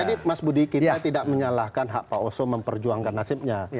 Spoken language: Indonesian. jadi mas budi kita tidak menyalahkan hak pak oso memperjuangkan nasibnya